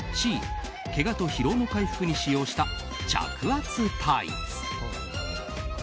Ｃ、けがと疲労の回復に使用した着圧タイツ。